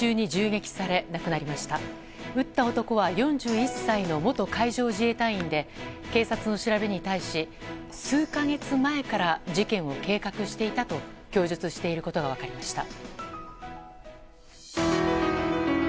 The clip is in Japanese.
撃った男は４１歳の元海上自衛隊員で警察の調べに対し、数か月前から事件を計画していたと供述していることが分かりました。